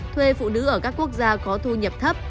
thuê phụ nữ ở các quốc gia có thu nhập thấp